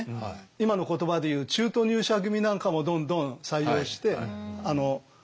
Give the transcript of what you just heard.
今の言葉でいう中途入社組なんかもどんどん採用して功を競わせますよね。